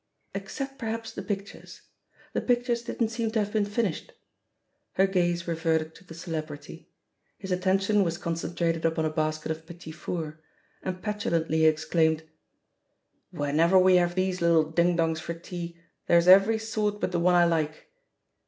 Ex cept, perhaps, the pictures: the pictures didn't seem to have been finished. Her gaze reverted to the celebrity. His attention was concen trated upon a basket of petits fours, and petu lantly he exclaimed, "Whenever we have these little ding dongs for tea, there's every sort but the one I like